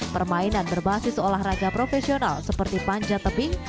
permainan berbasis olahraga profesional seperti panjat tebing